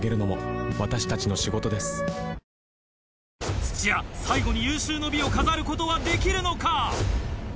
土屋最後に有終の美を飾ることはできるのか？